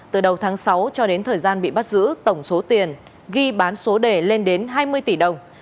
từ đầu tháng sáu cho đến thời gian bị bắt giữ tổng số tiền ghi bán số đề lên đến hai mươi tỷ đồng